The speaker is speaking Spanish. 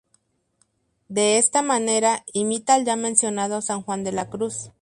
De esta manera, imita al ya mencionado San Juan de la Cruz.